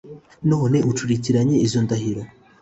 None ucurikiranye izo ndahiro?"